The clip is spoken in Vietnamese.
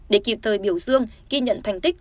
để kịp thời biểu dương ghi nhận thành tích